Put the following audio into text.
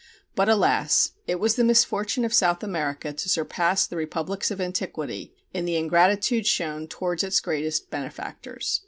But, alas! it was the misfortune of South America to surpass the republics of antiquity in the ingratitude shown towards its greatest benefactors.